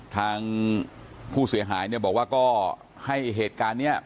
ทางผู้เสียหายเนี่ยบอกว่าก็ให้เหตุการณ์นี้